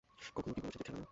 কখনো কি বলেছি যে, খেলা না?